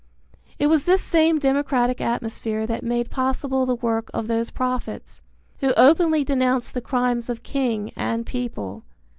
It was this same democratic atmosphere that made possible the work of those prophets, who openly denounced the crimes of king and people.